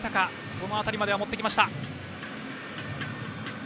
その辺りまでは持ってきました。